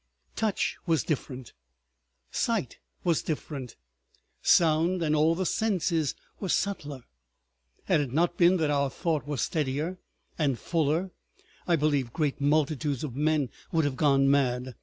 Touch was different, sight was different, sound and all the senses were subtler; had it not been that our thought was steadier and fuller, I believe great multitudes of men would have gone mad.